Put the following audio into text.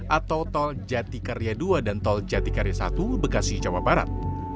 atau tol jatikarya dua dan tol jatikarya satu bekasi jawa barat